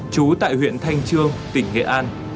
chú tại huyện thanh trương tỉnh nghệ an